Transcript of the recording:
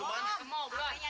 gimana sih petanya